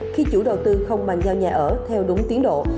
khi chủ đầu tư không bàn giao nhà ở theo đúng tiến độ